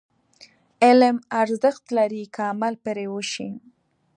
علم ارزښت لري، که عمل پرې وشي.